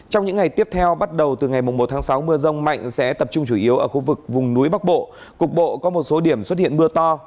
trong những ngày tiếp theo bắt đầu từ ngày một tháng sáu mưa rông mạnh sẽ tập trung chủ yếu ở khu vực vùng núi bắc bộ cục bộ có một số điểm xuất hiện mưa to